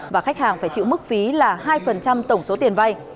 và khách hàng phải chịu mức phí là hai tổng số tiền vay